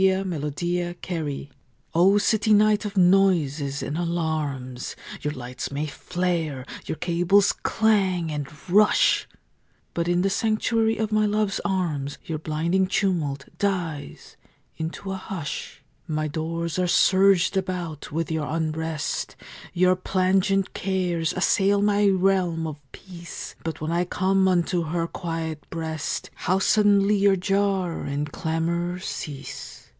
In a City Room O city night of noises and alarms, Your lights may flare, your cables clang and rush, But in the sanctuary of my love's arms Your blinding tumult dies into a hush. My doors are surged about with your unrest; Your plangent cares assail my realm of peace; But when I come unto her quiet breast How suddenly your jar and clamor cease!